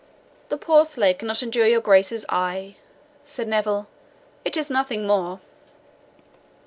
"The poor slave cannot endure your Grace's eye," said Neville; "it is nothing more."